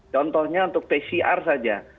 contohnya untuk pcr saja